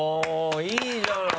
いいじゃない。